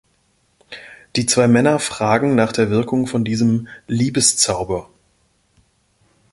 Die zwei Männer fragen nach der Wirkung von diesem "Liebeszauber.